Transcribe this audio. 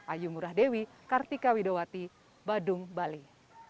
ayu ngurah dewi kartika widowati badung bali